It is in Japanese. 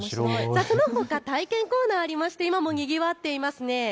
そのほか体験コーナーがありまして今もにぎわっていますね。